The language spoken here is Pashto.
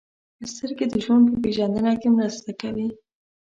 • سترګې د ژوند په پېژندنه کې مرسته کوي.